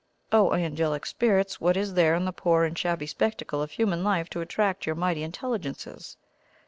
O Angelic Spirits, what is there in the poor and shabby spectacle of human life to attract your mighty Intelligences?